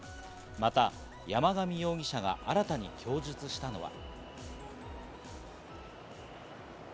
また山上容疑者が新たに供述したのは。